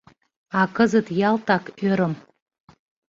А кызыт ялтак ӧрым.